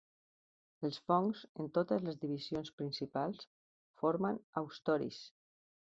Els fongs, en totes les divisions principals, formen haustoris.